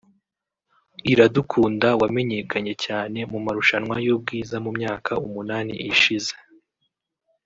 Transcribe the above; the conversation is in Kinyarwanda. Iradukunda wamenyekanye cyane mu marushanwa y’ubwiza mu myaka umunani ishize